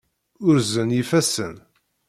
Urzen yifassen.